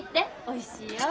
おいしいよ。